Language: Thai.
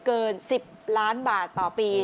เกิน๑๐ล้านบาทต่อปี